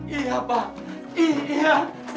iya pak iya